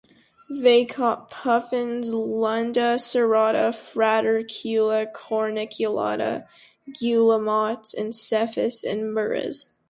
They caught Puffins, Lunda Cirrhata, Fratercula Corniculata, Guillemots, and Cephus and Murres.